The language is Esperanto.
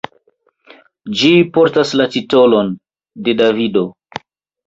Ĝi portas la titolon: "De Davido.